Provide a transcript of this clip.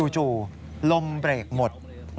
จู่ลมเบรกหมด